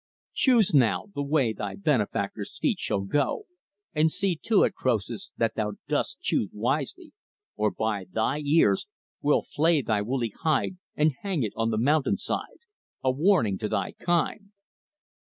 Choose, now, the way thy benefactors' feet shall go; and see to it, Croesus, that thou dost choose wisely; or, by thy ears, we'll flay thy woolly hide and hang it on the mountainside a warning to thy kind."